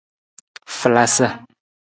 Falasa.